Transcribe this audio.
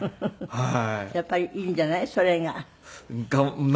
はい。